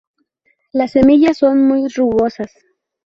Las semillas son muy rugosas.